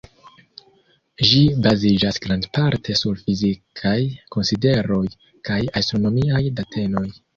Ĝi baziĝas grandparte sur fizikaj konsideroj kaj astronomiaj datenoj.